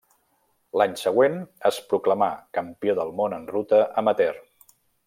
L'any següent es proclamà Campió del món en ruta amateur.